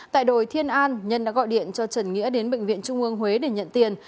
tại đồi thiên an nhân đã gọi điện cho trần nghĩa đến bệnh viện trung ương huế để nhận tiền